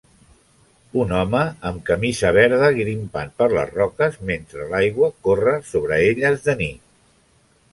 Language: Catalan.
Un home amb camisa verda grimpant per les roques mentre l'aigua corre sobre elles de nit.